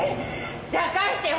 じゃあ返してよ！